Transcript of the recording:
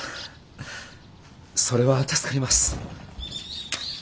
それは助かります。